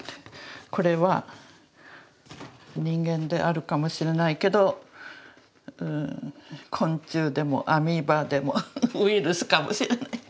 これは人間であるかもしれないけど昆虫でもアミーバでもウイルスかもしれない。